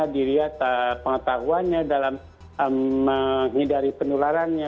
dilihat pengetahuannya dalam menghindari penularannya